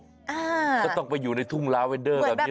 ก็ต้องไปอยู่ในทุ่งลาเวนเดอร์แบบนี้